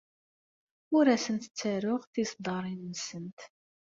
Ur asent-ttaruɣ tiṣeddarin-nsent.